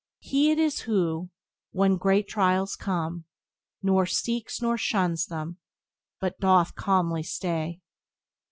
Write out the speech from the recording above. "He it is who, when great trials come, Nor seeks nor shuns them, but doth calmly stay."